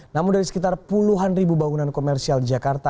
namun dari sekitar puluhan ribu bangunan komersial di jakarta